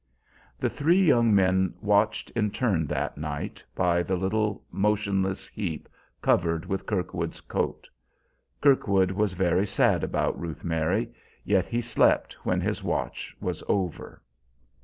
The three young men watched in turn, that night, by the little motionless heap covered with Kirkwood's coat. Kirkwood was very sad about Ruth Mary, yet he slept when his watch was over.